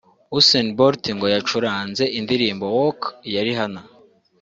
Usain Bolt ngo yacuranze indirimbo ‘Work’ ya Rihanna